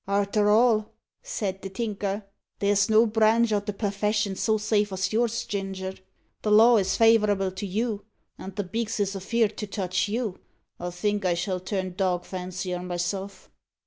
"Arter all," said the Tinker, "there's no branch o' the perfession so safe as yours, Ginger. The law is favourable to you, and the beaks is afeerd to touch you. I think I shall turn dog fancier myself."